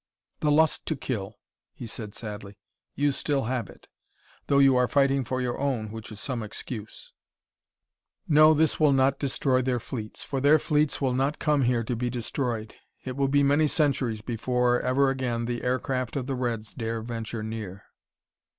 "The lust to kill!" he said sadly. "You still have it though you are fighting for your own, which is some excuse. "No, this will not destroy their fleets, for their fleets will not come here to be destroyed. It will be many centuries before ever again the aircraft of the reds dare venture near."